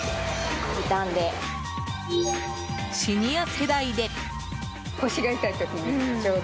シニア世代で。